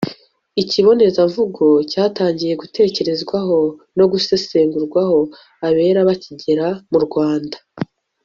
ikibonezamvugo cyatangiye gutekerezwaho no gusesengurwa abera bakigera mu rwanda